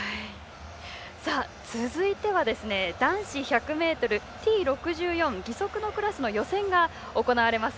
続いては男子１００ｍＴ６４義足のクラスの予選が行われます。